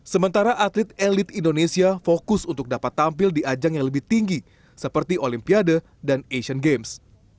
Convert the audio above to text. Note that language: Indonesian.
sementara atlet elit indonesia fokus untuk dapat tampil di ajang yang lebih tinggi seperti olimpiade dan asian games